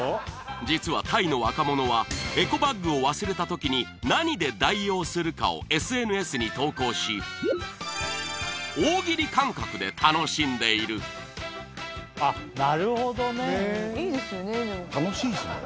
実はタイの若者はエコバッグを忘れた時に何で代用するかをＳＮＳに投稿し大喜利感覚で楽しんでいるあっなるほどねいいですよね